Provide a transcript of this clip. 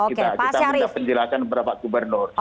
kita sudah penjelasan beberapa gubernur